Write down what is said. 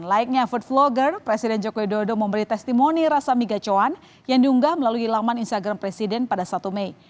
laiknya food vlogger presiden jokowi dodo memberi testimoni rasa migacuhan yang diunggah melalui laman instagram presiden pada satu mei